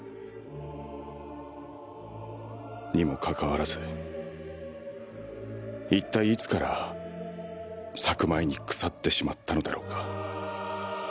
「にもかかわらず一体いつから咲く前に腐ってしまったのだろうか」